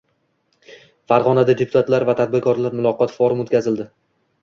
Farg‘onada deputatlar va tadbirkorlar muloqoti forumi o‘tkazildi